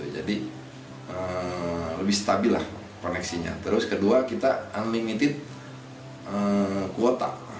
jadi lebih stabil lah koneksinya terus kedua kita unlimited kuota